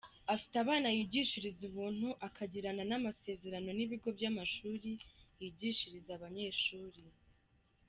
Afite abana yigishiriza ubuntu akagirana n’amasezerano n’ibigo by’amashuri yigishiriza abanyeshuri.